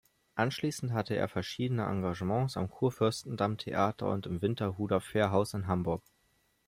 Anschließend hatte er verschiedene Engagements am Kurfürstendamm-Theater und im Winterhuder-Fährhaus in Hamburg.